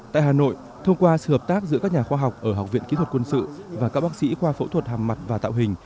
tại hà nội thông qua sự hợp tác giữa các nhà khoa học ở học viện kỹ thuật quân sự và các bác sĩ khoa phẫu thuật hàm mặt và tạo hình